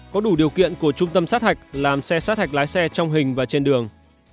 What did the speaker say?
có đủ điều kiện của trung tâm sát hạch làm xe sát hạch lái xe trong hình và trên đường